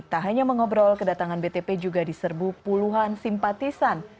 tak hanya mengobrol kedatangan btp juga diserbu puluhan simpatisan